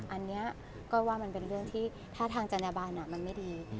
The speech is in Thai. อันนี้ก็ว่ามันเป็นเรื่องที่ถ้าทางจัญญบันมันไม่ดี